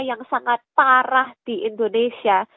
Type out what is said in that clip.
yang sangat parah di indonesia